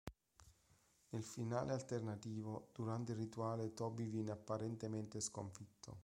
Nel finale alternativo, durante il rituale Toby viene apparentemente sconfitto.